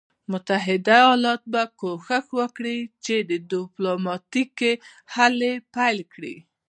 متحده ایالات به کوښښ وکړي چې ډیپلوماټیکي هلې پیل کړي.